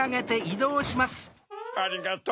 ありがとう。